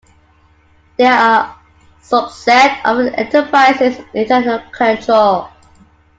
They are a subset of an enterprise's internal control.